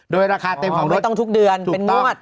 โดยราคาเต็มของไม่ต้องทุกเดือนเป็นงวด